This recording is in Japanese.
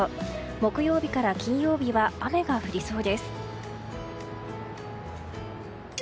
木曜日から金曜日は雨が降りそうです。